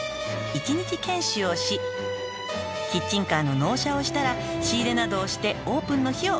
「１日研修をしキッチンカーの納車をしたら仕入れなどをしてオープンの日を迎えるんですって」